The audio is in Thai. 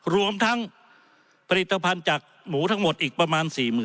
รวมทั้งผลิตภัณฑ์จากหมูทั้งหมดอีกประมาณ๔๐๐๐